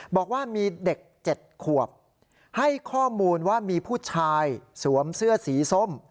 บอกว่ามีเด็ก๗ขวบให้ข้อมูลว่ามีผู้ชายสวมเสื้อสีส้ม